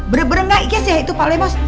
bener bener gak iya sih itu pak le bos